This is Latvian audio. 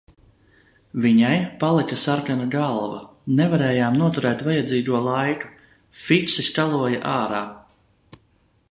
Viņai palika sarkana galva, nevarējām noturēt vajadzīgo laiku. Fiksi skaloja ārā.